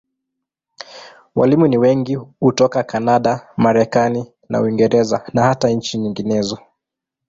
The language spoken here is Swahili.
Walimu ni wengi hutoka Kanada, Marekani na Uingereza, na hata nchi nyinginezo.